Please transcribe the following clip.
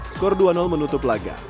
skor dua menutup laga